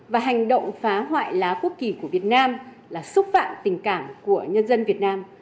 và hành động phá hoại lá quốc kỳ của việt nam là xúc phạm tình cảm của nhân dân việt nam